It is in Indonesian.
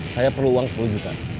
saya perlu uang sepuluh juta